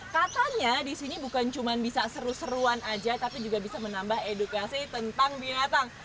katanya di sini bukan cuma bisa seru seruan aja tapi juga bisa menambah edukasi tentang binatang